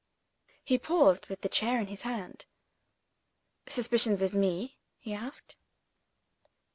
He paused, with the chair in his hand. "Suspicions of Me?" he asked.